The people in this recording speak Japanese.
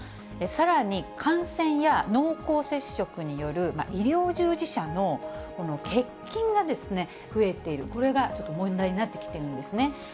さらに、感染や濃厚接触による、医療従事者の欠勤が増えている、これがちょっと問題になってきてるんですね。